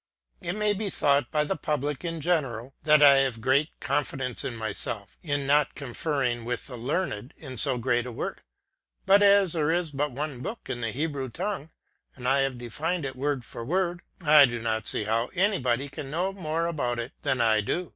It may be thought by the public in general, that [have great confidence in myself, in not conferring with the learned in so great a work, but as there is but one book in the Hebrew tongue, and I have defined it word for word, I do not see how anybody can know more about it than Ido.